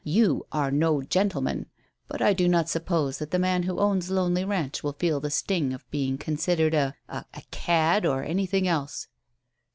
You are no gentleman! But I do not suppose that the man who owns Lonely Ranch will feel the sting of being considered a a cad or anything else."